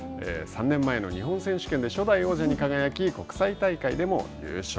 ３年前の日本選手権で初代王者に輝き、国際大会でも優勝。